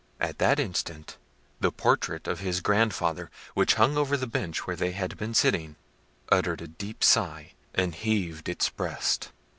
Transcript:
At that instant the portrait of his grandfather, which hung over the bench where they had been sitting, uttered a deep sigh, and heaved its breast.